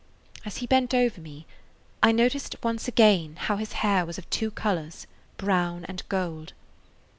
As he bent over me I noticed once again how his hair was of two colors, brown and gold.